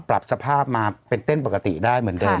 ปรับสภาพมาเป็นเต้นปกติได้เหมือนเดิม